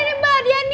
ibu dia nih